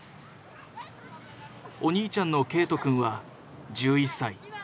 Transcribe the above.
お兄ちゃんの圭冬くんは１１歳。